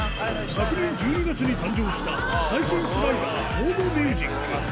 昨年１２月に誕生した、最新スライダー、トーボミュージック。